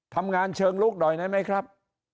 ทำงานเชิงลุกหน่อยได้ไหมครับ